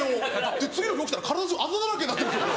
で次の日起きたら体中あざだらけになってたんですよ。